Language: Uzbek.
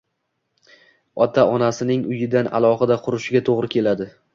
ota-onasining uyidan alohida qurishiga to‘g‘ri keladi.